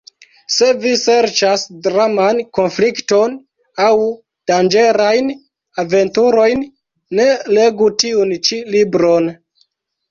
Se vi serĉas draman konflikton aŭ danĝerajn aventurojn, ne legu tiun ĉi libron.